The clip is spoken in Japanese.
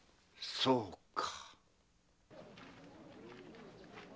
そうか。